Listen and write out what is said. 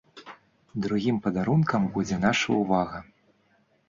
Другім падарункам будзе наша ўвага.